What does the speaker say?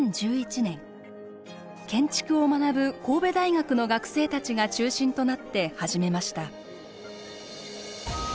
建築を学ぶ神戸大学の学生たちが中心となって始めました。